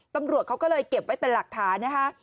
ตำรวจเขาก็เลยเก็บไว้เป็นหลักฐานนะคะ